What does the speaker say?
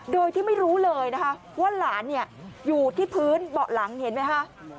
โดยที่ไม่รู้เลยนะคะว่าหลานอยู่ที่พื้นเบาะหลังเห็นไหมคะ